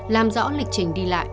làm rõ lịch trình đi lại